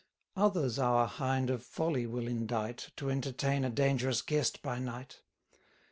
Others our Hind of folly will indite, To entertain a dangerous guest by night.